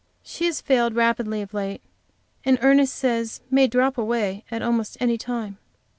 She has failed rapidly of late, and Ernest says may drop away at almost any time.